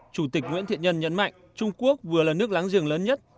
chủ tịch nguyễn thiện nhân nhấn mạnh trung quốc vừa là nước láng giềng lớn nhất